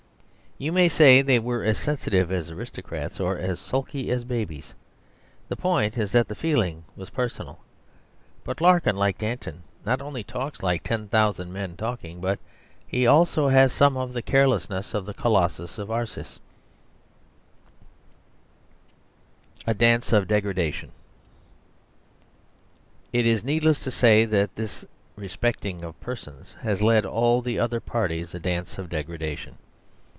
You may say they were as sensitive as aristocrats, or as sulky as babies; the point is that the feeling was personal. But Larkin, like Danton, not only talks like ten thousand men talking, but he also has some of the carelessness of the colossus of Arcis; "Que mon nom soit fletri, que la France soit libre." A Dance of Degradation It is needless to say that this respecting of persons has led all the other parties a dance of degradation.